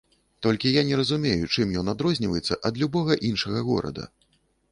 Толькі я не разумею, чым ён адрозніваецца ад любога іншага горада?